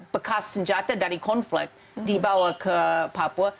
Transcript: bekas senjata dari konflik dibawa ke papua